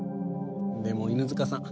でも犬塚さん